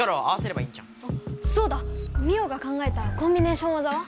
あそうだ！ミオが考えたコンビネーションわざは？